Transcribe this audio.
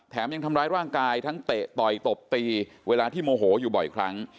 ยังทำร้ายร่างกายทั้งเตะต่อยตบตีเวลาที่โมโหอยู่บ่อยครั้ง